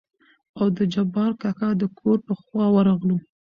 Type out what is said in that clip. او د جبار کاکا دکور په خوا ورغلو.